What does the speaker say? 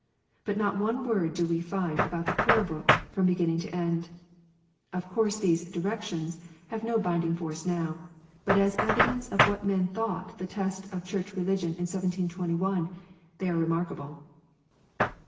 But not one word do we find about the Prayer book, from beginning to end. Of course these " directions " have no binding force now, but as evidence of what men thought the test of Church religion in 1721, they are remarkable.